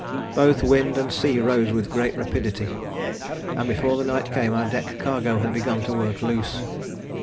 Both wind and sea rose with great rapidity, and before the night came our deck cargo had begun to work loose.